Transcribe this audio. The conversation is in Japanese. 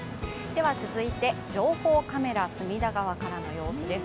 続いて情報カメラ、隅田川からの様子です。